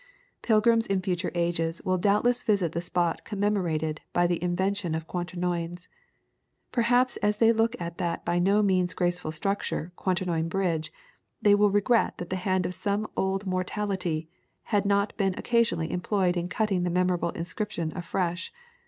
Pilgrims in future ages will doubtless visit the spot commemorated by the invention of Quaternions. Perhaps as they look at that by no means graceful structure Quaternion Bridge, they will regret that the hand of some Old Mortality had not been occasionally employed in cutting the memorable inscription afresh.